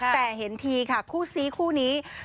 แต่เห็นทีค่ะคู่ซีคู่นี้